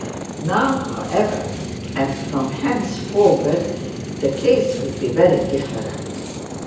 Now, however, and from henceforward, the case would be very different.